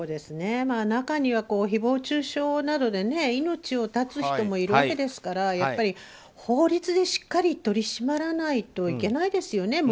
中には誹謗中傷などで命を絶つ人もいるわけですからやっぱり法律でしっかり取り締まらないといけないですよね。